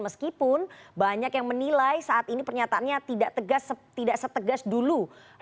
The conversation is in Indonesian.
meskipun banyak yang menilai saat ini pernyataannya tidak setegas dulu